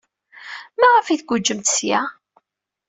Maɣef ay tguǧǧemt seg-a?